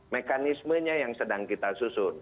mekanismenya yang sedang kita susun